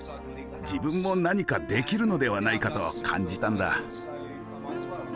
自分も何かできるのではないかと感じたんだ。